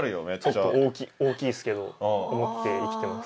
ちょっと大きいですけど思って生きてます。